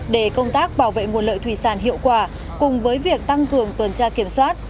để công tác bảo vệ nguồn lợi thủy sản hiệu quả cùng với việc tăng cường tuần tra kiểm soát